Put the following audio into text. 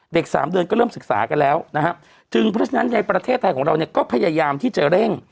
เด็ก๓เดือนก็เริ่มศึกษากันแล้วจึงเพราะฉะนั้นในประเทศไทยของเราก็พยายามที่จะเร่ง